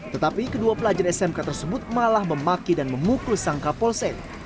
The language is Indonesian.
tetapi kedua pelajar smk tersebut malah memaki dan memukul sang kapolsek